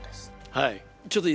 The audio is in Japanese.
はい。